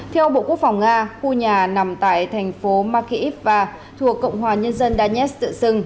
theo bộ quốc phòng nga khu nhà nằm tại thành phố makiivva thuộc cộng hòa nhân dân danetsk tựa sừng